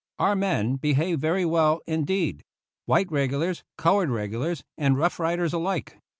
Our men behaved very well indeed — white regulars, colored regulars, and Rough Riders alike.